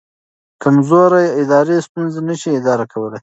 کمزوري ادارې ستونزې نه شي اداره کولی.